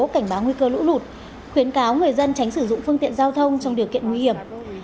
cảnh báo nguy cơ lũ lụt khuyến cáo người dân tránh sử dụng phương tiện giao thông trong điều kiện nguy hiểm